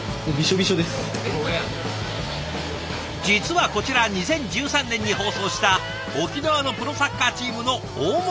実はこちら２０１３年に放送した沖縄のプロサッカーチームの大盛りサラメシ。